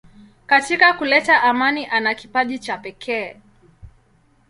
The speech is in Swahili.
Katika kuleta amani ana kipaji cha pekee.